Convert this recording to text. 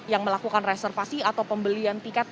yang melakukan reservasi atau pembelian tiket